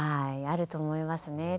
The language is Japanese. あると思いますね。